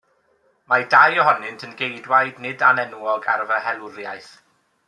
Mae dau ohonynt yn geidwaid nid anenwog ar fy helwriaeth.